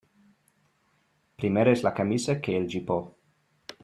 Primer és la camisa que el gipó.